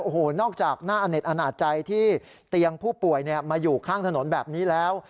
โอ้โหนอกจากหน้าอเน็ตอนาจใจที่เตียงผู้ป่วยมาอยู่ข้างถนนแบบนี้แล้ว